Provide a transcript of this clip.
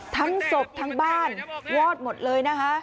ทั้งศพทั้งบ้านวอดหมดเลยนะคะ